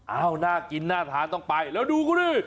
เอ้าน่ากินน่าทานต้องไปแล้วดูกูนี่